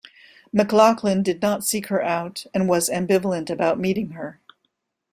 McLachlan did not seek her out and was ambivalent about meeting her.